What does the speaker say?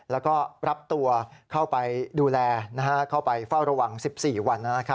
แล้วก็รับตัวเข้าไปดูแลเข้าไปเฝ้าระวัง๑๔วัน